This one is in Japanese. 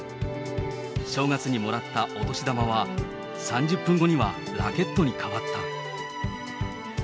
正月にもらったお年玉は、３０分後にはラケットにかわった。